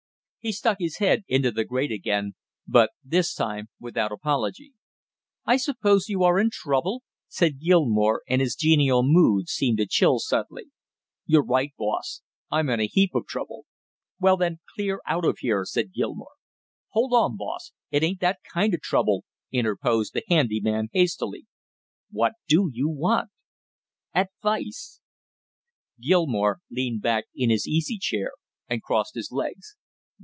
He stuck his head into the grate again, but this time without apology. "I suppose you are in trouble?" said Gilmore, and his genial mood seemed to chill suddenly. "You're right, boss, I'm in a heap of trouble!" "Well, then, clear out of here!" said Gilmore. "Hold on, boss, it ain't that kind of trouble" interposed the handy man hastily. "What do you want?" "Advice." Gilmore leaned back in his easy chair and crossed his legs.